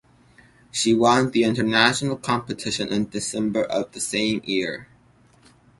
She won the international competition in December of the same year.